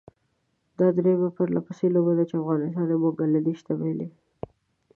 دا درېيمه پرلپسې لوبه ده چې افغانستان یې بنګله دېش ته بايلي.